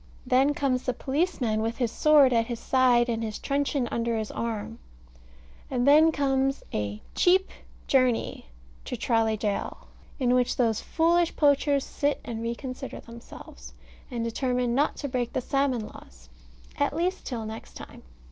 Then comes the policeman, with his sword at his side and his truncheon under his arm: and then comes a "cheap journey" to Tralee Gaol, in which those foolish poachers sit and reconsider themselves, and determine not to break the salmon laws at least till next time.